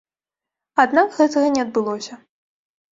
Аднак гэтага не адбылося.